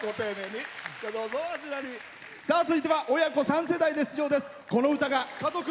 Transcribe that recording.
続いては親子３世代で出場です。